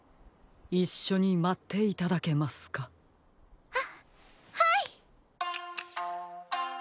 いっしょにまっていただけますか？ははい。